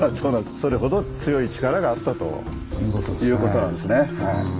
それほど強い力があったということなんですね。